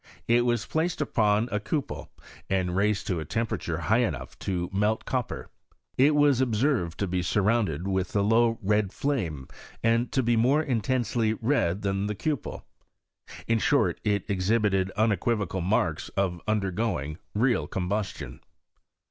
It was placed upon a cupel, and raised to a temperature high enough to melt copper. It was observed to be surrounded with a low red flame, and to be more intensely red than the cupel. In short, it exhibited unequivocal marks of undergoing real combustion.